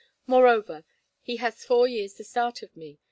Moreover, he has four years the start of me.